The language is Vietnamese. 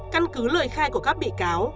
căn cứ lời khai của các bị cáo